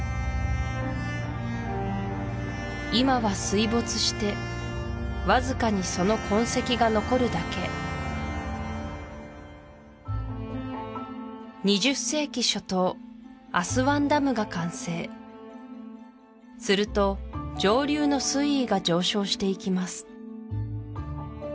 今は水没してわずかにその痕跡が残るだけ２０世紀初頭アスワンダムが完成すると上流の水位が上昇していきます